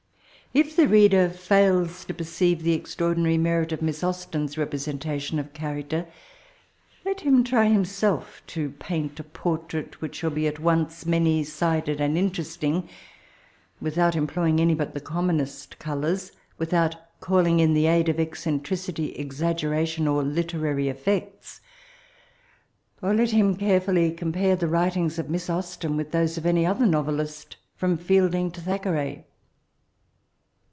If the reader fails to perceive the extraordinary merit of Miss Austen's representation of character, let him try himself to paint a portrait which shall be at once many sided and interesting, without employing any but the com monest colours, without calling in the aid of eccentricity, exaggeration, or literary *^ effects ;'' or let him carefally compare the writings of Miss Austen with those of any other novelist, from Fielding to Thack eray.